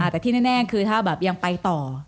แต่ที่แน่คือถ้าแบบยังไปต่อ